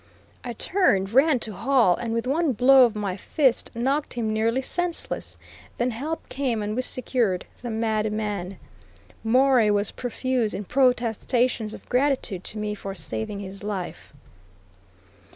I turned, ran to Hall, and with one blow of my fist knocked him nearly senseless; then help came and we secured the mad man. Morey was profuse in protestations of gratitude to me for saving his life.